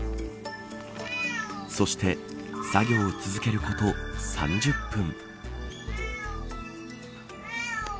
そして作業を続けること３０分。